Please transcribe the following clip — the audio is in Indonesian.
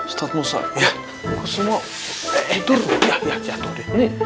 statmosa ya kok semua tidur ya jatuh deh